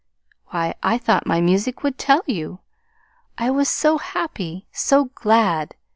"Why, I thought my music would tell you. I was so happy, so glad!